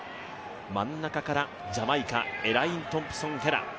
真ん中からジャマイカのエライン・トンプソン・ヘラ。